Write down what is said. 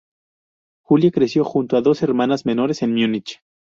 Julia creció junto a dos hermanas menores en Múnich.